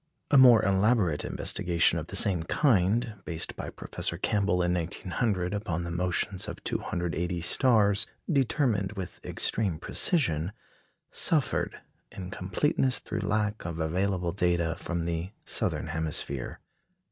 A more elaborate investigation of the same kind, based by Professor Campbell in 1900 upon the motions of 280 stars, determined with extreme precision, suffered in completeness through lack of available data from the southern hemisphere.